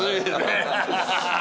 アハハハ！